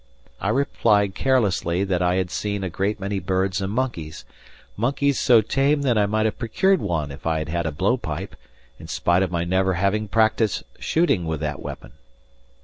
I replied carelessly that I had seen a great many birds and monkeys monkeys so tame that I might have procured one if I had had a blow pipe, in spite of my never having practiced shooting with that weapon.